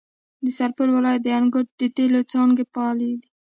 د سرپل ولایت د انګوت د تیلو څاګانې فعالې دي.